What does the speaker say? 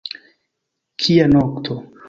Kia nokto!